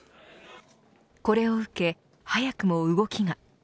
これを受け、早くも動きが。